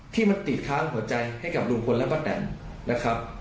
ที่มันติดค้างหัวใจให้กับลุงพลและป้าแตนนะครับ